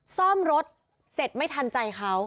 ซ่อมรถเสร็จไม่ทันใจเขา